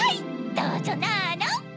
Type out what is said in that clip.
どうぞなの！